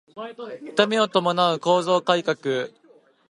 痛みを伴う構造改革